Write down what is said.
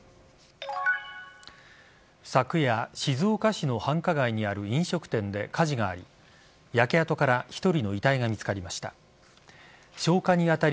昨夜静岡市の繁華街にある飲食店で火事があり焼け跡から１人の遺体が見つかりました。